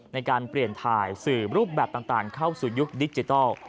ในการเปลี่ยนถ่ายสื่อรูปแบบต่างเข้าสู่ยุคดิจิทัล